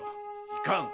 いかん！